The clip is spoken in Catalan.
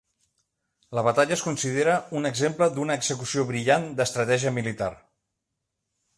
La batalla es considera un exemple d'una execució brillant d'estratègia militar.